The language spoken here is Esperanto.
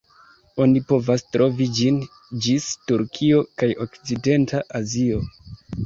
Oni povas trovi ĝin ĝis Turkio kaj okcidenta Azio.